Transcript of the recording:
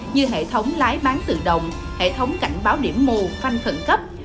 như hệ thống lái bán tự động hệ thống cảnh báo điểm mù phanh khẩn cấp